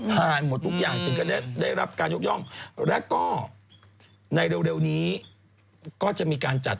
หมดทุกอย่างถึงก็ได้รับการยกย่องแล้วก็ในเร็วนี้ก็จะมีการจัด